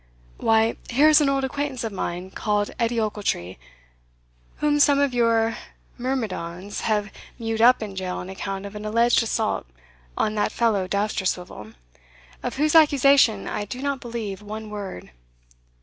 "Why, here's an old acquaintance of mine, called Edie Ochiltree, whom some of your myrmidons have mewed up in jail on account of an alleged assault on that fellow Dousterswivel, of whose accusation I do not believe one word."